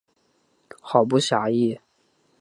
好不惬意